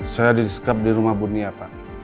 saya disekap di rumah bunia pak